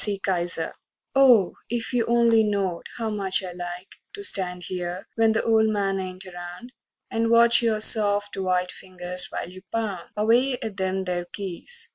E. KISER I Oh, if you only knowed how much I like To stand here, when the "old man" ain't around, And watch your soft, white fingers while you pound Away at them there keys!